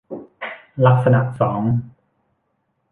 ลักษณะสอง